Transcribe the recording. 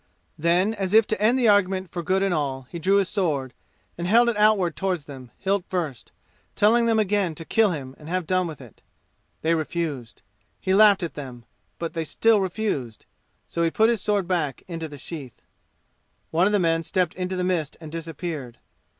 Then as if to end the argument for good and all, he drew his sword and held it out toward them, hilt first, telling them again to kill him and have done with it. They refused. He laughed at them, but they still refused; so he put his sword back in the sheath. One of the men stepped into the mist and disappeared.